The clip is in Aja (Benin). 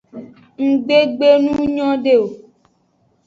Nggbe gbe nu nyode o.